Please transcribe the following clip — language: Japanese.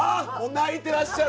泣いてらっしゃる。